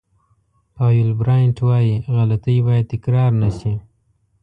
پایول براینټ وایي غلطۍ باید تکرار نه شي.